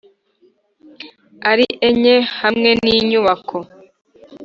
Ari enye hamwe n inyubako